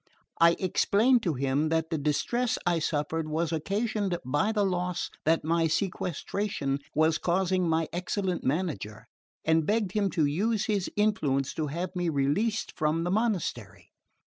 I explained to him that the distress I suffered was occasioned by the loss that my sequestration was causing my excellent manager, and begged him to use his influence to have me released from the monastery.